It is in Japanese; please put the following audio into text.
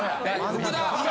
福田